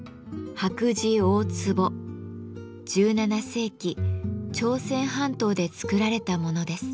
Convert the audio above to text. １７世紀朝鮮半島で作られたものです。